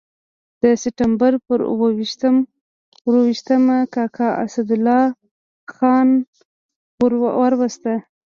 د سپټمبر پر اووه ویشتمه کاکا اسدالله خان ور ووست.